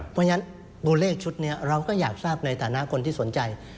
เพราะฉะนั้นตัวเลขชุดนี้เราก็อยากทราบในฐานะคนที่สนใจ